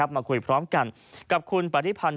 มาคุยพร้อมกันกับคุณปฏิพันธ์